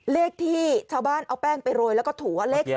เลขที่ชาวบ้านเอาแป้งไปโรยแล้วก็ถั่วเลข๗